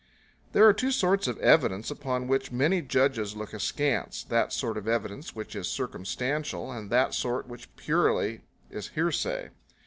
There are two sorts of evidence upon which many judges look askance that sort of evidence which is circumstantial and that sort which purely is hearsay.